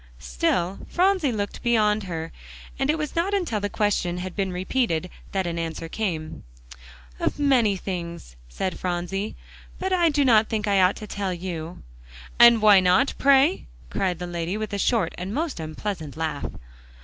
Still Phronsie looked beyond her, and it was not until the question had been repeated, that an answer came. "Of many things," said Phronsie, "but I do not think I ought to tell you." "And why not, pray?" cried the lady, with a short and most unpleasant laugh.